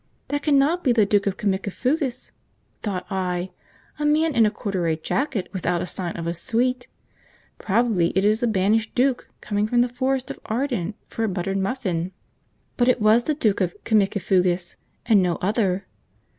"That cannot be the Duke of Cimicifugas," thought I, "a man in a corduroy jacket, without a sign of a suite; probably it is a Banished Duke come from the Forest of Arden for a buttered muffin." But it was the Duke of Cimicifugas, and no other.